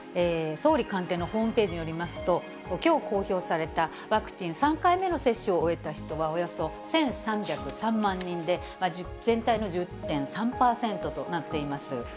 総理官邸のホームページによりますと、きょう公表されたワクチン３回目の接種を終えた人はおよそ１３０３万人で、全体の１０．３％となっています。